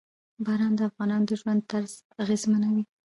باران د افغانانو د ژوند طرز اغېزمنوي.